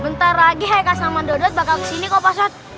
bentar lagi haikal sama dodot bakal kesini kok pak ustadz